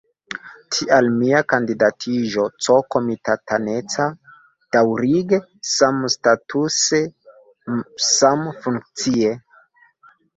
Tial mia kandidatiĝo C-komitataneca, daŭrige, samstatuse, samfunkcie.